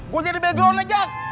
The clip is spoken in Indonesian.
gue jadi background aja